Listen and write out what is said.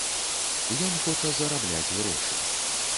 Ён хоча зарабляць грошы.